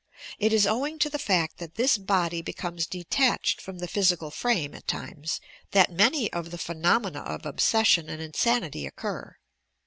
It is owing to the fact that this body becomes detached from the physical frame, at times, that many of the phenomena of obses sion and insanity occur.